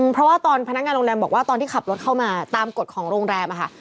เพราะว่าตอนพนักงานโรงแรมบอกว่าตอนที่ขับรถเข้ามาตามกฎของโรงแรมค่ะ